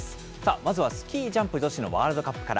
まずはスキージャンプ女子のワールドカップから。